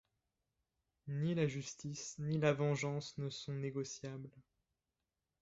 Ni la justice ni la vengeance ne sont négociables.